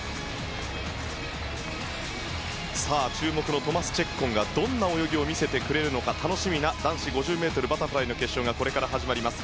注目のトマス・チェッコンがどんな泳ぎを見せてくれるか楽しみな男子５０ｍバタフライの決勝がこれから始まります。